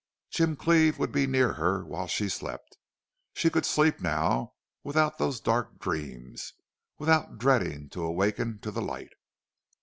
Jim Cleve would be near her while she slept. She could sleep now without those dark dreams without dreading to awaken to the light.